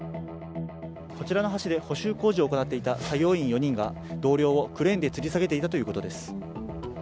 こちらの橋で補修工事を行っていた作業員４人が同僚をクレーンでつり下げていたということです。